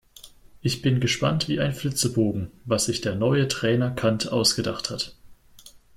Ich bin gespannt wie ein Flitzebogen, was sich der neue Trainer Kant ausgedacht hat.